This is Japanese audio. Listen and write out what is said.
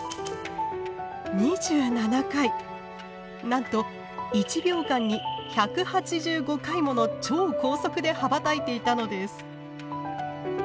なんと１秒間に１８５回もの超高速で羽ばたいていたのです。